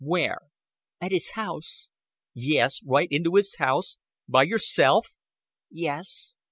Where?" "At his house." "Yes, right into his house. By yourself?" "Yes."